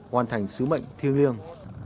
hoàn thành sứ mệnh thiêng liêng